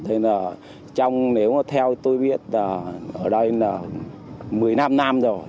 thế nên là trong nếu mà theo tôi biết là ở đây là một mươi năm năm rồi